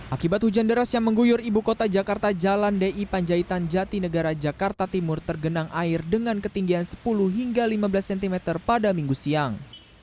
akibat hujan deras yang mengguyur ibu kota jakarta jalan di panjaitan jati negara jakarta timur tergenang air dengan ketinggian sepuluh hingga lima belas cm pada minggu siang